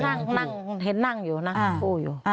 ก็นั่งนั่งเห็นนั่งอยู่นะครับ